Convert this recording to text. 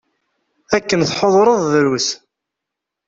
Akken tḥudreḍ, drus.